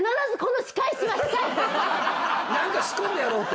何か仕込んでやろうと。